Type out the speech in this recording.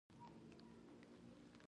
د ځیګر د روغتیا لپاره له غوړو ډډه وکړئ